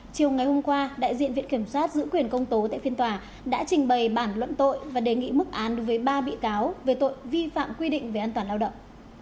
chiều ngày hôm qua đại diện viện kiểm soát giữ quyền công tố tại phiên tòa đã trình bày bản luận tội và đề nghị mức án đối với ba bị cáo về tội vi phạm quy định về an toàn lao động